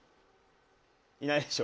いないでしょ？